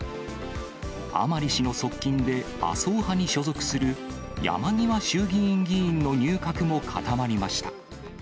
甘利氏の側近で麻生派に所属する山際衆議院議員の入閣も固まりました。